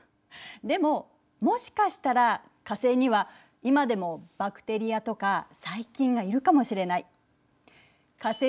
でももしかしたら火星には今でもバクテリアとか細菌がいるかもしれない。